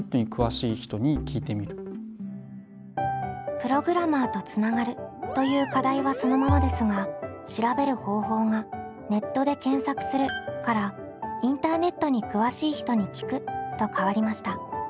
「プログラマーとつながる」という課題はそのままですが調べる方法が「ネットで検索する」から「インターネットに詳しい人に聞く」と変わりました。